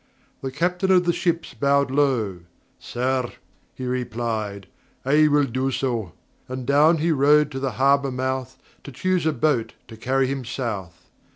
The Captain of the Ships bowed low. "Sir," he replied, "I will do so." And down he rode to the harbour mouth, To choose a boat to carry him South.